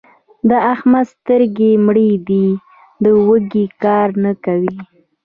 د احمد سترګې مړې دي؛ د وږي کار نه کوي.